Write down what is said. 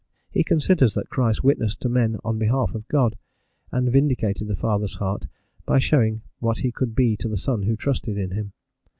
He considers that Christ witnessed to men on behalf of God, and vindicated the father's heart by showing what he could be to the son who trusted in him.